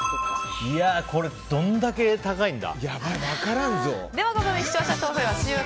これどんだけ高いんだ？